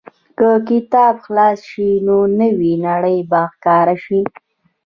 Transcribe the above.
که کتاب خلاص شي، نو نوې نړۍ به ښکاره شي.